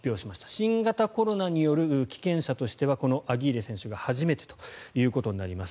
新型コロナによる棄権者としてはこのアギーレ選手が初めてということになります。